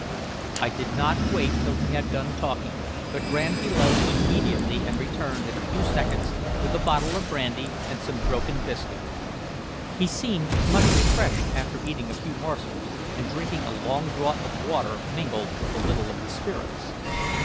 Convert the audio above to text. I did not wait till he had done talking, but ran below immediately, and returned in a few seconds with a bottle of brandy and some broken biscuit. He seemed much refreshed after eating a few morsels and drinking a long draught of water mingled with a little of the spirits.